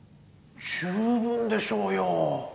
十分でしょうよ。